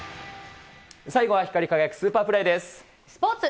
最後は光り輝くスーパープレーでスポーツ。